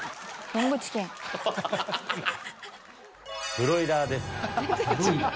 ブロイラーです。